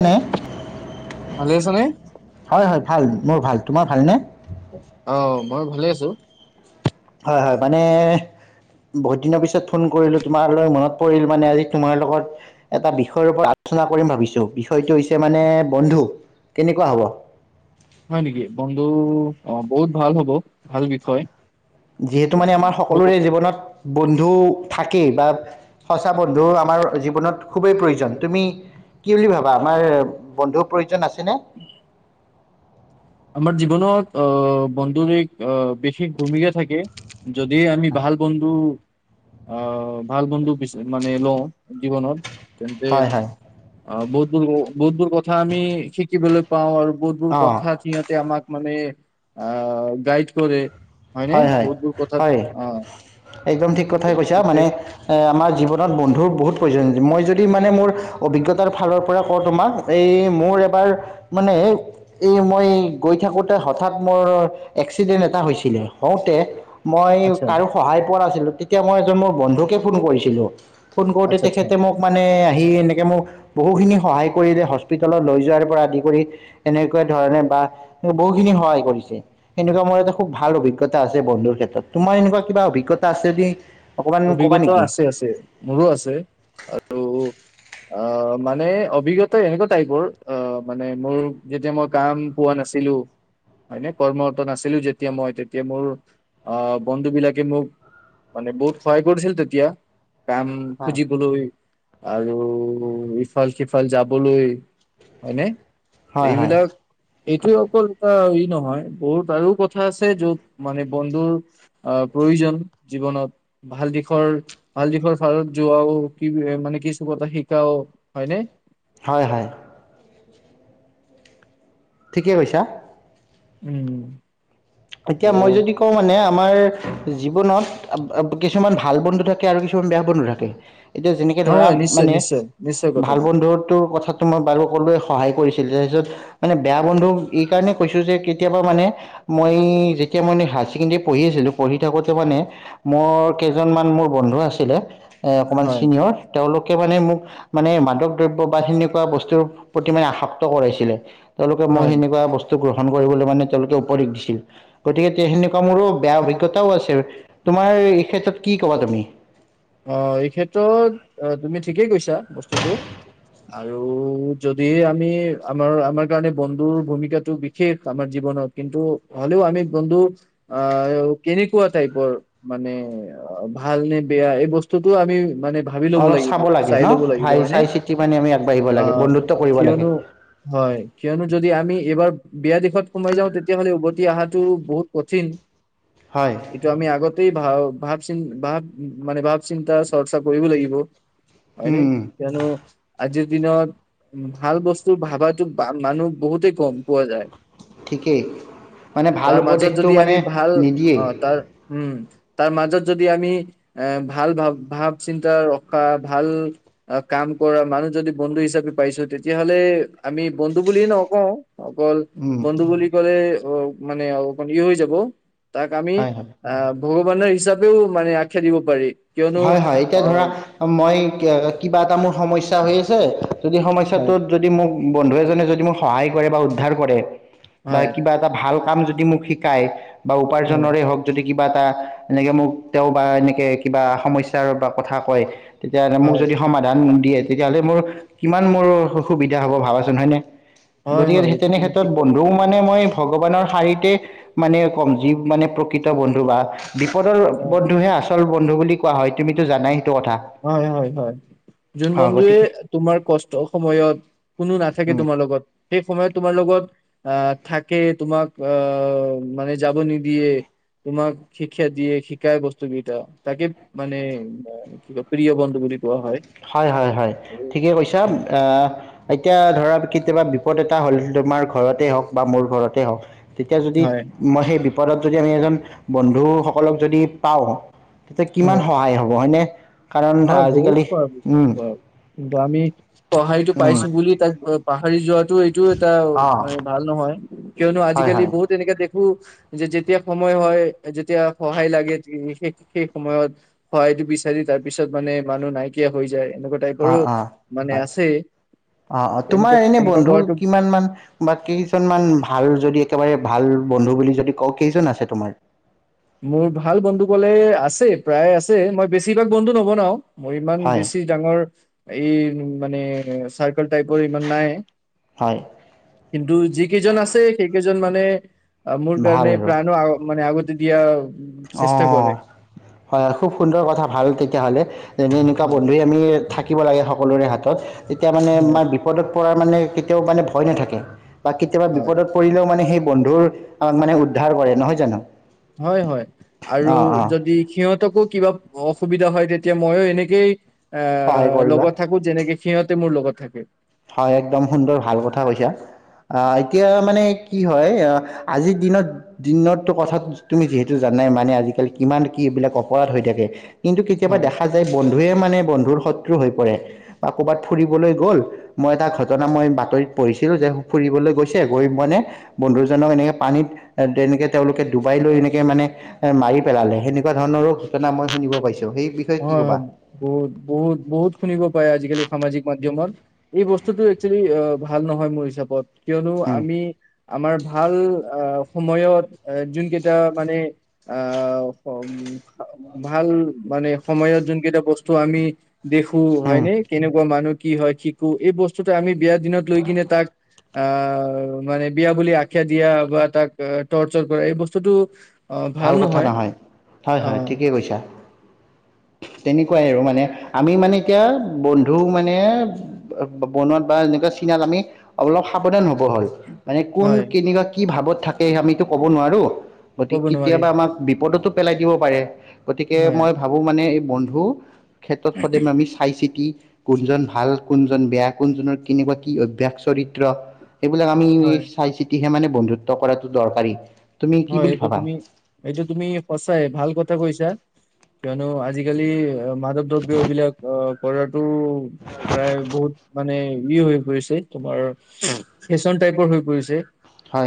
কোনে ভালে আছ নে? হয় হয় ভাল মোৰ ভাল তোমাৰ ভালনে অ মই ভালে আছো হয় হয় মানে বহুত দিনৰ পিছত ফোন কৰিলো তোম মনত পৰিল মানে আজি তোমাৰ লগত এটা বিষয়ৰ ওপৰত আলোচনা কৰি ভাবিছো বিষয়টো হৈছে মানে বন্ধু কেনেকুৱা হ'ব হয় নেকি বন্ধু অ বহুত ভাল হব ভাল বিষয় যিহেতু অ, মানে আমাৰ ভাল সকলোৰে কথা। জীৱনত বন্ধু থাকেই বা সঁচা বন্ধু আমাৰ জীৱনত খুবেই প্ৰয়োজন তুমি কি বুলি ভাবা আমাৰ বন্ধু প্ৰয়োজন আছে কেনে আমাৰ জীৱনত আহ বন্ধুৰেক আহ বেছি ভূমিকা থাকে যদি আমি ভাল বন্ধু অ ভাল বন্ধু পিছে মানে লওঁ জীৱনত তেন্তে হয় হয় অ বহুত বহুতবোৰ কথা আমি শিকিবলৈ পাওঁ আৰু বহুত বোৰ অঁ কথা ইহঁতে আমাক মানে গাইড কৰে হয়নে হয় হয় বহুতবোৰ কথাত হয় অ একদম ঠিক ত' কথাই কৈছা সেইটোৱে মানে এ আমাৰ জীৱনত বন্ধুৰ বহুত প্ৰয়োজন মই যদি মানে মোৰ অভিজ্ঞতাৰ ফালৰ পৰা কওঁ তোমাক এই মোৰ এবাৰ মানে এই মই গৈ থাকোঁতে হঠাৎ মোৰ এক্সিডেণ্ট এটা হৈছিলে হওঁতে মই আচ্ছা কাৰো সহায় পোৱা নাছিলো তেতিয়া মই এজন মোৰ বন্ধুকে ফোন কৰিছিলো ফোন কৰোতে আচ্ছা আচ্ছা তেখেতে মোক মানে আহি এনেকে মোক বহু খিনি সহায় কৰিলে হস্পিতালত লৈ যোৱাৰ পৰা আদি কৰি এনেকুৱা ধৰণে বা বহু খিনি সহায় কৰিছে সেনেকুৱা মোৰ এটা খুব ভাল অভিজ্ঞতা অভিজ্ঞতা আছে বন্ধুৰ ক্ষেত্ৰত তোমাৰ এনেুৱা কিবা অভিজ্ঞতাছে যদি অকমান ক'বা অভিজ্ঞতা নেকি? আছে আছে মোৰো আছে আৰু আহ মানে অভিজ্ঞতা এনেকুৱা টাইপৰ আহ মানে মোৰ যেতিয়া মই কাম পোৱা নাছিলো হয়নে কৰ্মৰত নাছিলো যেতিয়া মই তেতিয়া মোৰ আহ বন্ধু বিলাকে মোক মানে বহুত সহায় কৰিছিল তেতিয়া কাম হয়। খুজিবলৈও আৰু ইফাল সিফাল যাবলৈ হয়নে হয় -হয় এইটোৱে অকল এটা ই নহয় বহুত আৰু কথা আছে যত মানে বন্ধুৰ আহ প্ৰয়োজন জীৱনত ভাল দিশৰ- ভাল দিশৰ ফালত যোৱাও কি মানে কিছু কথা শিকাও হয়নে? হয়- হয় ঠিকে কৈছা। উম, এতিয়া মই ত' যদি কওঁ মানে আমাৰ জীৱনত কিছুমান [unintelligible] ভাল বন্ধু থাকে আৰু কিছুমান বেয়া বন্ধু থাকে। এতিয়া যেনেকে নহয় ধৰা হয়, নিশ্চয় মানে নিশ্চয় নিশ্চয় ভাল কথাটো বন্ধুটোৰ কথাটো মই বাৰু সকলোৱে সহায় কৰিছিল তাৰপিছত মানে বেয়া বন্ধু এই কাৰণে কৈছো যে কেতিয়াবা মানে মই যেতিয়া মই হায় ছেকেণ্ডৰী পঢ়ি আছিলো পঢ়ি থাকোতে মানে মোৰ কেইজনমান মোৰ বন্ধু আছিলে অকমান হয় চিনিয়ৰ তেওঁলোক কে মানে মোক মানে মাদক দ্ৰব্য বা সেনেকুৱা বস্তুৰ প্ৰতি মানে আসক্ত কৰাইছিলে। তেওঁলোকে মই হয় সেনেকুৱা বস্তু গ্ৰহণ কৰিবলৈ মানে তেওঁলোকে উপৰি গতিকে তে সেনেকুৱা মোৰো বেয়া অভিজ্ঞতাও আছে তোমাৰ এই ক্ষেত্ৰত কি কবা তুমি? অহ, এই ক্ষেত্ৰত তুমি ঠিকেই কৈছা বস্তুটো আৰু যদি আমি আমাৰ -আমাৰ কাৰণে বন্ধুৰ ভূমিকাটো বিশেষ আমাৰ জীৱনত কিন্তু হলেও আমি বন্ধু আহ কেনেকুৱা টাইপৰ মানে ভাল নে বেয়া এই বস্তুটো আমি মানে ভাবি লব অলপ লাগিব চাব লাগে চাই ন লব লাগিব ভাই হয়নে চাই চিতি মানে আমি আগবাঢ়িব লাগে আহ বন্ধুত্ব কৰিব লাগে কিয়নো হয় কিয়নো যদি আমি এইবাৰ বেয়া দিশত সোমাই যাও তেতিয়াহ'লে উভতি আহাটো বহুত কঠিন। হয় এইটো আমি আগত তেই ভাব- চিন- ভাব - মানে - ভাব চিন্তা চৰ্চা কৰিব লাগিব। হয় নে উম, কিয়নো আজি দিনত ভাল বস্তু ভাবাটো মানুহ বহুতেই কম পোৱা যায়। ঠিকেই মানে ভাল তাৰ মাজত উপদেশটো যদি মানে আমি ভাল নিদিয়েই। অ তাৰ উম, তাৰ মাজত যদি আমি আহ ভাল ভাৱ- ভাৱ চিন্তা ৰখা ভাল কাম কৰা মানুহ যদি বন্ধু হিচাপে পাইছো তেতিয়াহ'লে আমি বন্ধু বুলিয়ে নকও অকল উম, বন্ধু বুলি ক'লে ত'মানে অলপমান ইয় হৈ যাব। তাক আমি হয় হয় আহ বহুত [unintelligible] হিচাপেও মানে আখ্যা দিব পাৰি। কিয়নো হয়- হয় এতিয়া অ ধৰা মই কিয় কিবা এটা মোৰ সমস্যা হৈ আছে যদি হয় সমস্যাটোত যদি মোক বন্ধু এজনে যদি মোক সহায় কৰে বা উদ্ধাৰ কৰে। বা হয় কিবা এটা ভাল কাম যদি সি মোক শিকায়। বা হয় উপাৰ্জৰে হওক যদি কিবা এটা এনেকে মোক তেওঁ বা এনেকে কিবা সমস্যাৰ বা কথা কয়। তেতিয়া মোক হয় যদি সমাধান দিয়ে তেতিয়াহ'লে মোৰ কিমান মোৰ অ সুবিধা হব ভাবাচোন হয়নে? হয় গতিকে হয় স তেনে তুমি ক্ষেত্ৰত ঠিক ক'লা বন্ধু মানে মই ভগৱানৰ সাহি তে মানে কম যি মানে প্ৰকৃত বন্ধু বা বিপদৰ হয় বন্ধুহে আছে। চল বন্ধু বুলি কোৱা হয় তুমিতো জানাই। হয় হয় হয় যোন অঁ বন্ধুৱে গতিকে তোমাৰ কষ্ট সময়ত কোনো নাথাকে উম তোমাৰ লগত সেই সময়ত তোমাৰ লগত আহ থাকে তোমাক আহ মানে যাব নিদিয়ে, তোমাক শিক্ষা দিয়ে শিকাই বস্তু কেইটা তাকে মানে প্ৰিয় বন্ধু বুলি হয় হয় হয় ঠিকে কৈছা হয় আহ। এতিয়া ধৰা কেতিয়াবা বিপদ এটা হ'ল তোমাৰ ঘৰতে হওক বা মোৰ ঘৰতে হওক তেতিয়া যদি হয় মই সেই বিপদত যদি আমি এজন বন্ধু ধুসকলক যদি পাওঁ তেতিয়া কিমান হয় সহায় হব হয়নে? কাৰণ বহুত আজিকালি খোৱা হয় কিন্তু আমি সহায়টো পাইছো বুলি তাক হাৰি যোৱাত এইটোও এটা অঁ ভাল নহয়। কিয়নো হয় আজিকালি হয় বহুত এনেকে যে যেতিয়া সময় হয়, যেতিয়া সহায় লাগে ল, সেই সেই সময়ত সহায়টো বিচাৰি তাক পিছত মানে মানুহ নাইকিয়া হৈ যায়। অ টাইপৰো অ মানে হয় আছে অ অ তোমাৰ এনেকুৱা এনে এনেকুৱা বন্ধু কৰাটো কিমান মান বা কেইজনমান ভাল যদি একেবাৰে ভাল বন্ধু বুলি যদি কওঁ কেইজন আছে তোমাৰ? মোৰ ভাল বন্ধু কলে আছে প্ৰায় আছে মই বেছিভাগ বন্ধু নবনাও মোৰ ইমান হয়, বেছি ডাঙৰ এই মানে চাৰ্কল টাইপৰ ইমান নাই। হয় কিন্তু যি কেইজন আছে, সেইকেইজন জন মানে অ মোৰ কাৰণ ভাল আৰু প্ৰাণো মানে আ দিয়া অ হয় খুব সুন্দৰ কথা ভাল ৷ ক হালে [unintelligible] যেনে এনেকুৱা হয় বন্ধুই আমি থাক থাকিব লাগে সকলোৰে হাতত ৷ তেতিয়া মানে হয় মাৰ বিপদত কৰা মানে কেতিয়াও মানে ভয় নাথাকে ৷ বা কেতিয়াবা হয় বিপদত পৰিলেও মানে সেই বন্ধুৰ আমাক মানে উদ্ধাৰ কৰে নহয় জানো? হয়-হয় আৰু অ', অ', যদি সিহঁতকো কিবা অফ সুবিধা হয় তেতিয়া মইও এনেকেই সহায় আহ কৰিবা। লগত থাকো যেনেকে সিহঁত মোৰ লগত থাকে ৷ হয় একদম সুন্দৰ ভাল কথা কৈছা আহ এতিয়া মানে কি হয় আজিৰ দিনত-দিনত কথা তুমি যিহেতু জানাই মানে আজিকালি কিমান কি এইবিলাক অপৰাধ হৈ থাকে কিন্তু কেতিয়াবা হয় দেখা যায় বন্ধ ধয়ে মানে বন্ধুৰ শত্ৰু হৈ পৰে বা কৰ'বাত ফুৰিবলৈ গ'ল মই এটা ঘটনা মই বাতৰিত পঢ়িছিলোঁ যে ফুৰিবলৈ গৈছে গৈ মানে বন্ধুজনক এনেকে পানীত তেনেকৈ তেওঁলোকে ডুবাই লৈ এনেকে মানে মাৰি পেলালে সেনেকুৱা ধৰণৰো ঘটনা মই শুনিব পাইছোঁ৷ সেই বিষয়ে অ কি হয় ক'বা বহুত-বহুত-বহুত শুনিব পাই আজিকালি সামাজিক মাধ্যমত এই বস্তুতটো একচুৱেলি ভাল নহয় মোৰ হিচাপত কিয়নো উম, আমি আমাৰ ভাল আহ সময়ত এ যোন কেইটা মানে আহ ভাল মানে সময়ত যোন কেইটা বস্তু আমি দেখো উম, হয়নে কেনেকুৱা মানুহ কি হয় কি কো এই বস্তুটো আমি বিয়াৰ দিনত লৈ কিনে তাক আহ মানে বিয়া বুলি আখা দিয়া বা তাক টৰ্চাৰ কৰা এই বস্তুটো ভাল কথা নহয় অ হয়-হয় ঠিকেই কৈছা ৷ তেনেকুৱাই আৰু মানে আমি মানে এতিয়া বন্ধু মানে বনোৱাত বা এনেকুৱা চিনাত আমি অলপ সাৱধান হব ব হল মানে কোন হয় কেনেকুৱা কি ভাৱত থাকে আমিতো ক'ব নোৱাৰো গতি ক'ব নোৱাৰি কেতিয়াবা আমাক বিপদতো পেলাই দিব পাৰে ৷ গতিকে হয় মই ভাবো মানে বন্ধু ক্ষেত্ৰত সদায় আমি চাই চিতি কোনজন ভাল কোনজন বেয়া কোনজনৰ কেনেকুৱা কি অভ্যস চৰিত্ৰ এইবিলাক আমি এই হয়, চাই চিতিহে মানে বন্ধুত্ব কৰাটো দৰকাৰী তুমি কি হয় বুলি এইটো ভাবা তুমি এইটো তুমি সঁচাই ভাল কথা কৈছা কিয়নো আজিকালি মাদ্ৰক দ্ৰব্য এইবিলাক অ ফলত টো প্ৰায় বহুত মানে ই হৈ পৰিছে তোমাৰ ফেশ্বন টাইপৰ হৈ পৰিছে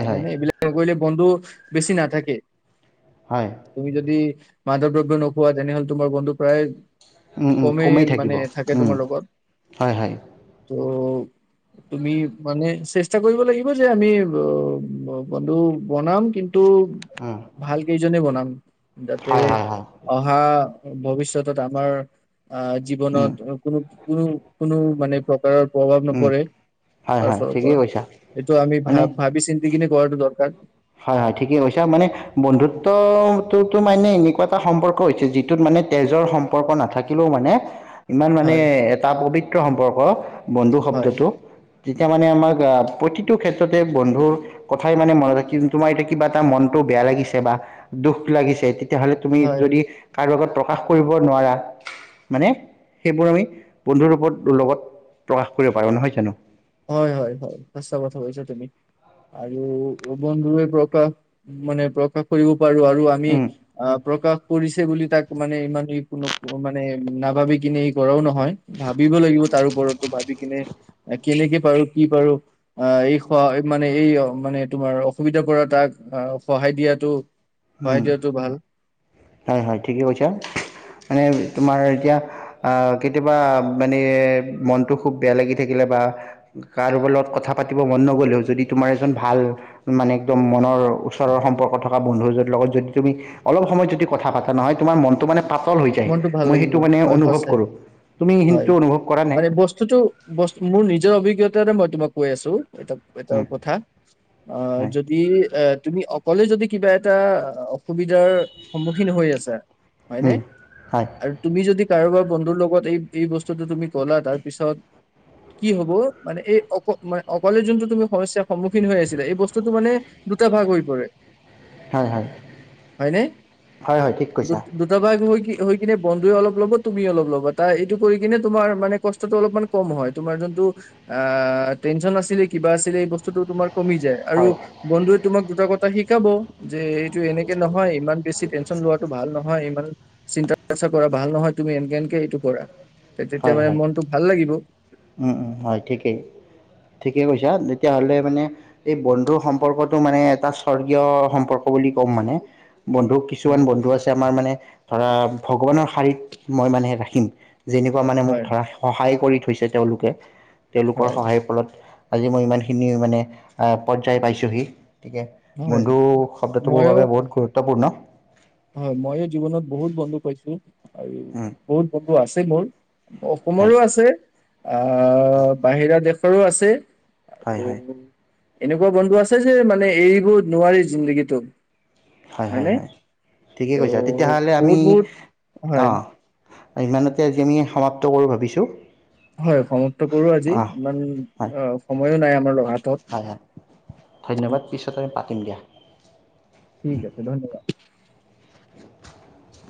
হয় নে এই কৰিলে বন্ধু বেছি না থাকে হয় তুমি যদি মাদ্ৰক দ্ৰব্য নোখোৱা তেনেহ'লে তোমাৰ বন্ধু প্ৰায় উম উম কমেই থাকিব মানে থাকে হয় হয় অ তুমি মানে চেষ্টা কৰিব লাগিব যে আমি বন্ধু বনাম কিন্তু উম তোভাল কেইজনে বনাম উম যাতে হয় হয় হয় অহা ভৱিষ্যত আমাৰ আ উম জীৱনত কোনো কোনো কোনো মানে প্ৰ প্ৰকাৰ প্ৰভাৱ উম নপৰে হয় তাৰ হয় ফালৰ ঠিকেই পৰা কৈছা এইটো আমি ভা মানে ভাবি চিন্তি কিনি কৰাটো দৰকাৰ হয় ঠিকেই হৈছে মানে বন্ধুত্বটোতো মানে এনেকুৱা এটা সম্পৰ্ক হৈছে যিটোত মানে তেজৰ সম্পৰ্ক নাথাকিলেও মানে ইমান মানে হয় এটা পবিত্ৰ সম্পৰ্ক বন্ধু হয় শব্দটো তেতিয়া মানে আমাক প্ৰতিটো ক্ষেত্ৰতে বন্ধুৰ কথাই মানে মনত ৰাখ কি তোমাৰ এতিয়া কিবা এটা মনতটো বেয়া লাগিছে বা দুখ লাগিছে তেতিয়াহ'লে তুমি হয় যদি কাৰোবাক প্ৰকাশ কৰিব নোৱাৰা মানে সেইবোৰ আমি বন্ধুৰ ওপৰ লগত প্ৰকাশ কৰিব পাৰোঁ নহয় জানো হয় হয় হয় সঁচা কথা কৈছা তুমি আৰু বন্ধুয়ে প্ৰকাশ মানে প্ৰকাশ কৰিব বাৰু আৰু আমি উম, প্ৰকাশ কৰিছে বুলি তাক মানে ইমান কোনো মানে নাভাবি কিনে এই কৰাও নহয় ভাবিব লাগিব তাৰ ওপৰতো ভাবি কিনে কেনেকে পাৰো কি পাৰো আহ এই স মানে এই মানে তোমাৰ অসুবিধাৰ পৰা তাক সহায় দিয়াটো উম। হয় দিয়তো ভাল হয় হয় ঠিকেই কৈছা মানে তোমাৰ এতিয়া কেতিয়াবা মানে মনটো খুব বেয়া লাগি থাকিলে বা কাৰোবাৰ লগত কথা পাতিব মন নগ'লেও যদি তোমাৰ এজন ভাল মানে একদম মনৰ ওচৰৰ সম্পৰ্ক থকা বন্ধুজৰ লগত যদি তুমি অলপ সময়ত যদি কথা পতা নহয় তোমাৰ মনটো মানে। পাতল হৈ যায় মনটো ভাল মই লাগিব সেইটো মানে হয় অনুভৱ সঁচাই কৰোঁ তুমি হয় সেইটো অনুভৱ কৰা নাই মানে বস্তুত ব্ত মোৰ নিজৰ অভিজ্ঞতা। মই তোমাক কৈ আছো। এটা এটা উম, কথা আহ হয় যদি এ তুমি। অ কলে যদি কিবা এটা অসুবিধাৰ সন্মুখীন হৈ আছা। হয়নে। উম, হয় আৰু তুমি যদি। যদি কাৰোবাৰ বন্ধুৰ লগত এই এই বস্তুটো তুমি কলা তাৰ পিছত কি হব মানে এই অ মান অকলে যোনটো তুমি সমস্যাৰ সন্মুখীন হৈ আছিলা এই বস্তুটো মানে দুটা ভাগ হৈ পৰে। হয় হয় হয়নে হয় হয় ঠিক দু কৈছা দুটা ভাগ হৈ কি কিনে বন্ধুৱয়ে অলপ ল'ব তুমি অলপ ল'ব তা এইটো কৰি কিনে তোমাৰ মানে কষ্টটো অলমান কম হয় তোমাৰ যোনটো অ টেনচন আছিলে কিবা আছিলে এই বস্তুটো তোমাৰ। কমি যায় আৰু হয় বন্ধুে তোমাক দুটা কথা। এটা শিকাব যে। টো এনেকে নহয় ইমান বেছি টেনচন লোৱাটো ভাল নহয়। হয় ইমান চিন্তা। জা কৰা ভাল নহয় তুমি এনকে এনকে এইটো কৰা। তেতিয়া হয় মানে হয় মনটো ভাল লাগিব। ঠিক কৈছা তেতিয়াাহ'লে মানে এই বন্ধুৰ সম্পৰ্কটো মানে এটা স্বৰ্গীয় সম্পৰ্ক বুলি ক'ম মানে। বন্ধু কিছুমান হয় বন্ধু আছে আমাৰ মানে। ধৰা ভগৱানৰ। শাৰীত মই মানে ৰাখিম। মানে মোক হয় ধ সহায় কৰি। থৈছে তেওঁলোকে তেওঁলোকৰ হয় সহায়ৰ ফলত আজি মই ইমান খিনি মানে পৰ্যায় পাইছোহি গতিিকে হয় বন্ধু শব্দটো মোৰ ময়ো বাবে বহুত গুৰুত্বপূৰ্ণ হয় ময়ো জীৱনত বহুত বন্ধু পাইছো আৰু উম, বহুত আছে মোৰ হয় অসমৰো আছে আ বাহিৰা দেশ ওৰো আছে হয় আৰু হয় এনেকুৱা বন্ধু আছে যে মানে এৰিব নোৱাৰি জিন্দগীটো হয় হয় হয়নে হয় ঠিকে ত' কৈছা তেতিয়াহলে আমি বহুত বহুত হয় অ ইমানতে আজি আমি সমাপ্ত কৰোঁ ভাবিছোঁ হয় সমাপ্ত কৰো আজি অঁ ইমান হয় সময়ো নাই আমাৰ ৰ হাটত পাকিম দিয়া ঠিক আছে ধন্যবাদ [inaudible]